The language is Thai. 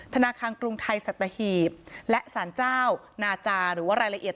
ธนาคารกรุงไทยสัตหีบและสารเจ้านาจาหรือว่ารายละเอียด